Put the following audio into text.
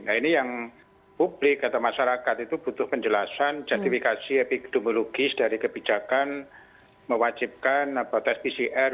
nah ini yang publik atau masyarakat itu butuh penjelasan sertifikasi epidemiologis dari kebijakan mewajibkan tes pcr